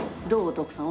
徳さん。